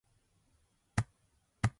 こんごしゃかい